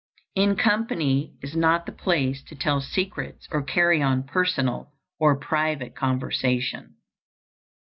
In company is not the place to tell secrets or carry on personal or private conversation.